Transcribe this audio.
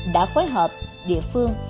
đã phối hợp địa phương